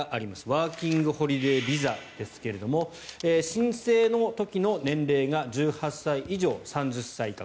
ワーキングホリデービザですが申請の時の年齢が１８歳以上３０歳以下。